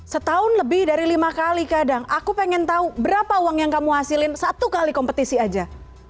setahun lebih dari lima kali kadang aku pengen tahu berapa uang yang kamu hasilin satu kali kompetisi aja